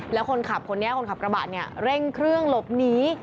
แล้วคนขับคนนี้คนขับกระบะเนี่ยเร่งเครื่องหลบหนี